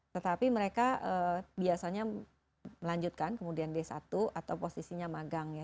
tetapi mereka biasanya melanjutkan kemudian d satu atau posisinya magang ya